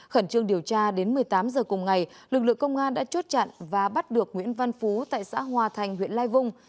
khẩn trương điều tra đến một mươi tám giờ cùng ngày lực lượng công an đã chốt chặn và bắt được nguyễn văn phú tại xã hòa thành huyện lai vung